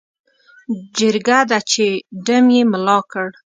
جرګه ده چې ډم یې ملا کړ.